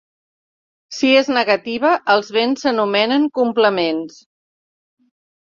Si és negativa, els béns s'anomenen complements.